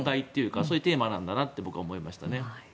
そういうテーマなんだなと僕は思いましたね。